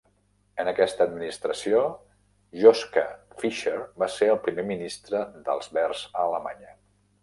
En aquesta administració, Joschka Fischer va ser el primer ministre dels Verds a Alemanya.